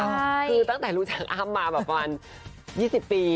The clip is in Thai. คือตั้งแต่รู้จักอ้ำมาแบบประมาณ๒๐ปี